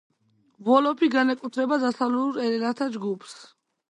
ვოლოფი განეკუთვნება დასავლურ ენათა ჯგუფს.